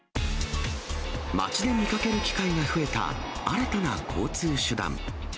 街で見かける機会が増えた新たな交通手段。